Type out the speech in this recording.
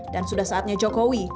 dan sudah saatnya jokowi